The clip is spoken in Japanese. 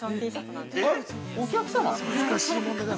◆お客様？